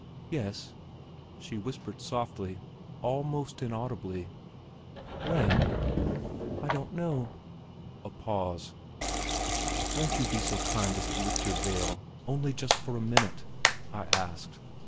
"Yes," she whispered softly, almost inaudibly. "When?" "I don't know." A pause.... "Won't you be so kind as to lift your veil, only just for a minute," I asked.